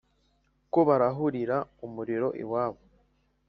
ko barahurira umuriro iwabo